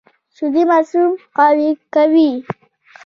شیدې ماشوم قوي کوي